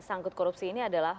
sanggup korupsi ini adalah